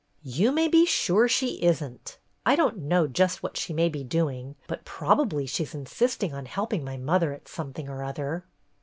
"You may be sure she is n't. I don't know just what she may be doing, but probably she's insisting on helping my mother at something or other."